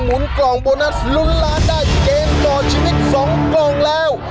หมุนกล่องโบนัสลุ้นล้านได้เกมต่อชีวิต๒กล่องแล้ว